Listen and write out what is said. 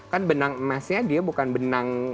kan benang emasnya dia bukan benang